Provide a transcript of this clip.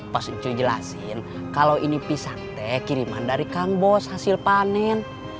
pas itu jelasin kalau ini pisan teh kiriman dari kang bos hasil panen